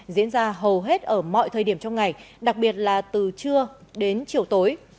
diễn ra hầu hết ở mọi thời điểm trong ngày đặc biệt là từ trưa đến chiều tối